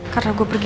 karena gua pergi